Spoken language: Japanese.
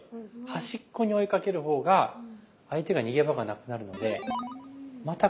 端っこに追いかける方が相手が逃げ場がなくなるのでまた